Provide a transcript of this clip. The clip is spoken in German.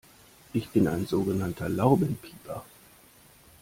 Ich bin ein sogenannter Laubenpieper.